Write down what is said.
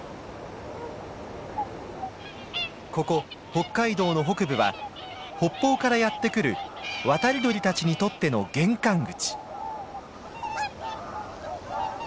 ここ北海道の北部は北方からやって来る渡り鳥たちにとっての玄関口。